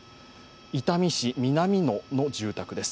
伊丹市南野の住宅です。